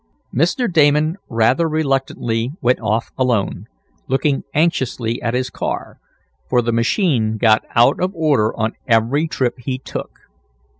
Mr. Damon rather reluctantly went off alone, looking anxiously at his car, for the machine got out of order on every trip he took.